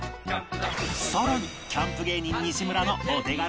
さらにキャンプ芸人西村のお手軽絶品メニューも！